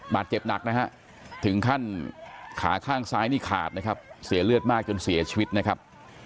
บาดเจ็บหนักนะฮะถึงขั้นขาข้างซ้ายนี่ขาดนะครับเสียเลือดมากจนเสียชีวิตนะครับ